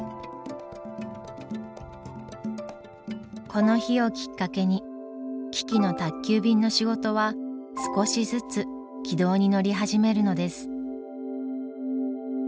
この日をきっかけにキキの宅急便の仕事は少しずつ軌道に乗り始めるのです。